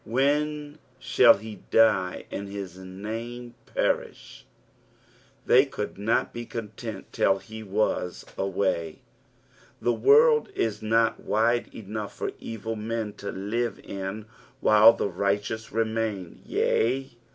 " "Wken, ihall he die, and hi* name periihf" They could not be content till he was away. The world is not wide enough for evil men to live in while the righteous remain, yes.